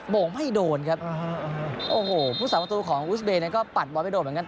โมงไม่โดนครับโอ้โหผู้สาประตูของอุสเบย์นั้นก็ปัดบอลไม่โดนเหมือนกัน